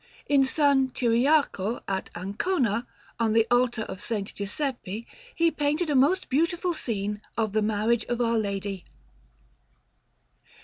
In S. Ciriaco at Ancona, on the altar of S. Giuseppe, he painted a most beautiful scene of the Marriage of Our Lady.